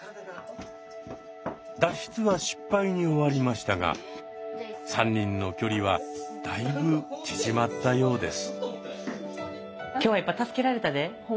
脱出は失敗に終わりましたが３人の距離はだいぶ縮まったようです。